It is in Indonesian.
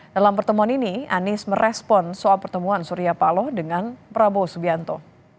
dalam pertemuan ini anies merespon soal pertemuan surya paloh dengan prabowo subianto